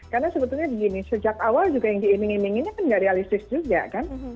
karena sebetulnya begini sejak awal juga yang diiming iminginnya kan tidak realistis juga kan